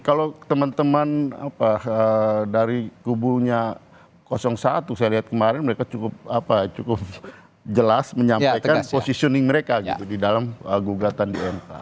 kalau teman teman dari kubunya satu saya lihat kemarin mereka cukup jelas menyampaikan positioning mereka gitu di dalam gugatan di mk